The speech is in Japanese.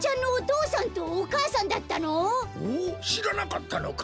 うん？しらなかったのか。